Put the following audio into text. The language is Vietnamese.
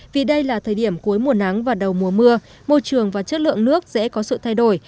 vì đây là thời điểm cuối mùa nắng và đầu mùa mưa môi trường và chất lượng nước sẽ có sự thay đổi